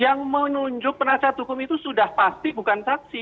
yang menunjuk penasihat hukum itu sudah pasti bukan saksi